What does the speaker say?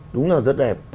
đúng là rất đẹp